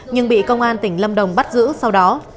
nhưng bị công an tỉnh lâm đồng bắt giữ sau đó